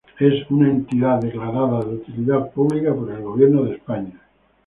Es una Entidad de Utilidad Pública por el Gobierno de España.